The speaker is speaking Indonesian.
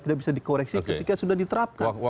tidak bisa dikoreksi ketika sudah diterapkan